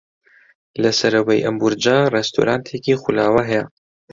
لە سەرەوەی ئەم بورجە ڕێستۆرانتێکی خولاوە هەیە.